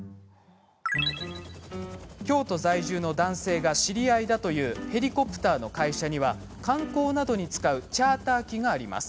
京都在住の男性が知り合いだというヘリの会社には観光などに使うチャーター機もあります。